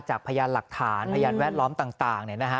จากพยานหลักฐานพยานแวดล้อมต่างนี้นะคะ